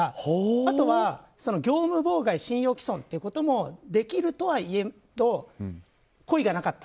あとは業務妨害、信用棄損ということもできるとはいえ故意がなかった。